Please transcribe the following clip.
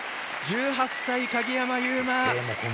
１８歳、鍵山優真。